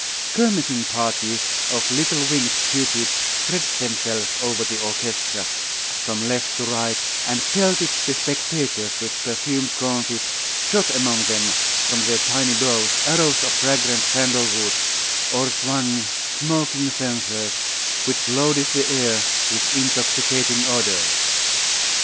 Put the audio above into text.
Skirmishing parties of little winged cupids spread themselves over the orchestra, from left to right, and pelted the spectators with perfumed comfits, shot among them from their tiny bows arrows of fragrant sandal wood, or swung smoking censers, which loaded the air with intoxicating odours.